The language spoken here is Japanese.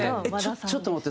ちょっと待って。